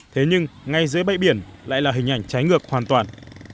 thế nhưng ngay dưới bãi biển lại là hình ảnh trái ngược hoàn toàn